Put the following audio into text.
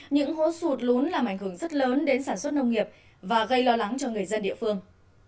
những hố sụt lún làm ảnh hưởng rất lớn đến sản xuất nông nghiệp và gây lo lắng cho người dân địa phương